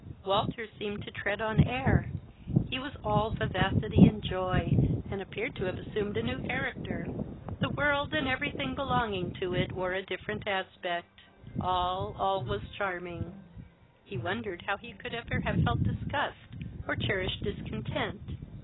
Walter seemed to tread on air; he was all vivacity and joy, and appeared to have assumed a new character. The world, and every thing belonging to it, wore a different aspect: all, all was charming. He wondered how he could ever have felt disgust, or cherished discontent.